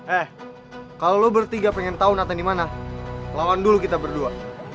eh kalau lo bertiga pengen tau nathan dimana lawan dulu kita berdua